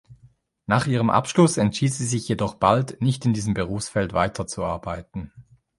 Nach ihrem Abschluss entschied sie sich jedoch bald, nicht in diesem Berufsfeld weiterzuarbeiten.